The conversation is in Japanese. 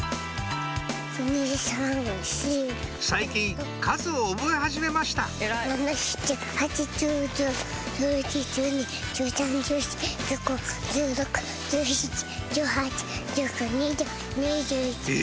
最近数を覚え始めましたえ